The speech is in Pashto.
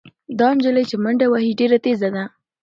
دا نجلۍ چې منډه وهي ډېره تېزه ده.